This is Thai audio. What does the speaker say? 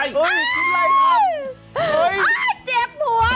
อ้ายเจ็บหัวสิทุ่น